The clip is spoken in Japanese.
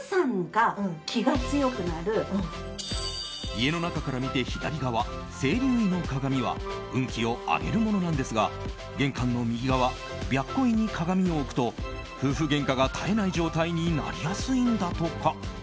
家の中から見て左側青龍位の鏡は運気を上げるものなんですが玄関の右側、白虎位に鏡を置くと夫婦げんかが絶えない状態になりやすいんだとか。